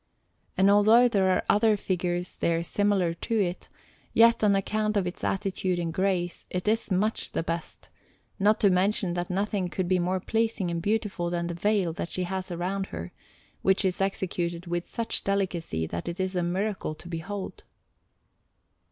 And although there are other figures there similar to it, yet on account of its attitude and grace it is much the best; not to mention that nothing could be more pleasing and beautiful than the veil that she has around her, which is executed with such delicacy that it is a miracle to behold.